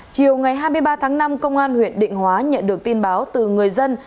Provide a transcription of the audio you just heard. chiều ngày hai mươi ba tháng năm công an huyện định hóa nhận được tin báo từ người dân